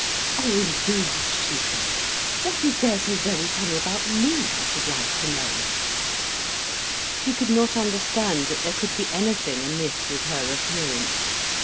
"Oh indeed!" she said. "What is there so very funny about me, I should like to know?" She could not understand that there could be anything amiss with her appearance.